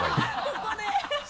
ここで